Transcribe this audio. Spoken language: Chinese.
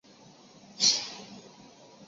林文雄继续参选省议员并获得连任。